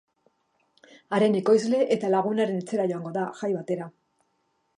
Haren ekoizle eta lagunaren etxera joango da, jai batera.